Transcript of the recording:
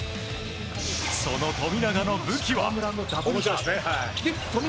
その富永の武器は。